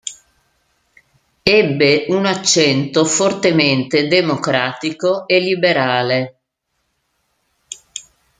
Ebbe un accento fortemente democratico e liberale.